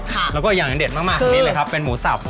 ค่ะแล้วก็อีกอย่างเด็ดมากคือนี่เลยครับเป็นหมูสับ